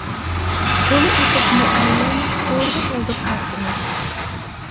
تولا ئېتىپ مۇئەللىم, بورغا تولدى پارتىمىز.